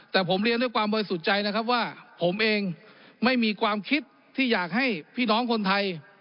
แต่ผมเรียนด้วยความบริสุทธิ์ใจนะครับว่าผมเองไม่มีความคิดที่อยากให้พี่น้องคนไทย